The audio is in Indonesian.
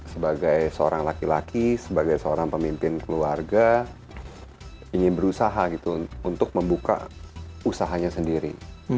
sebagai seorang laki laki sebagai seorang pemimpin keluarga ingin berusaha gitu untuk membuka usahanya sendiri